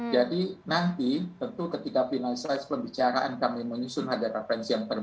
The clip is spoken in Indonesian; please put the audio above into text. jadi nanti tentu ketika finalisasi pembicaraan kami menyusun harga referensi